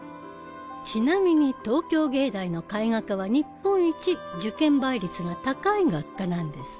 ちなみに東京藝大の絵画科は日本一受験倍率が高い学科なんです。